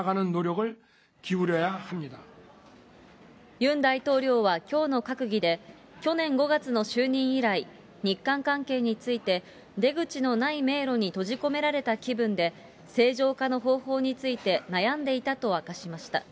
ユン大統領はきょうの閣議で、去年５月の就任以来、日韓関係について出口のない迷路に閉じ込められた気分で、正常化の方法について悩んでいたと明かしました。